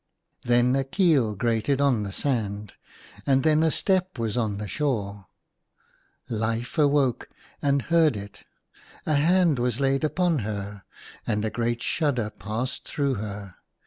Then a keel grated on the sand, and then a step was on the shore — Life awoke and heard it. A hand was laid upon her, and a great shudder passed through her.